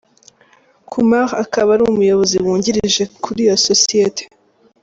Kumar akaba ari umuyobozi wungirije kuri iyo sosiyete.